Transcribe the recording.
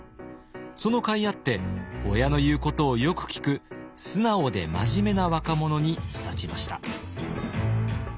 その甲斐あって親の言うことをよく聞く素直で真面目な若者に育ちました。